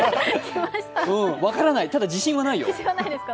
分からない、ただ自信はないよ。